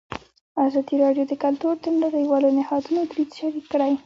ازادي راډیو د کلتور د نړیوالو نهادونو دریځ شریک کړی.